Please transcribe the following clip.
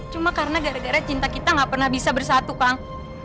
cuma karena gara gara cinta kita gak pernah bisa bersatu kang